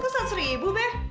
kau saat seribu be